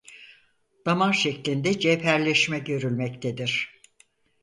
Damar şeklinde cevherleşme görülmektedir.